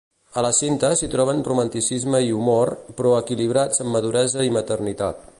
A la cinta s'hi troben romanticisme i humor, però equilibrats amb maduresa i maternitat.